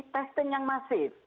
testing yang masif